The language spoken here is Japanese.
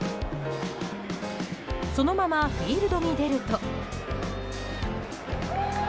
そのままフィールドに出ると。